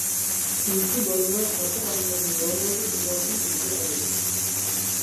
چۈنكى بالىلار ئاتا-ئانىلىرىنى دورايدۇ، ئۇلاردىن ئۈلگە ئالىدۇ.